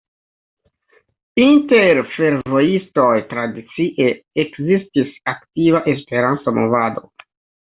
Inter fervojistoj tradicie ekzistis aktiva Esperanto-movado.